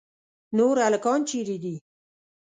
نور هلکان چیرې دي؟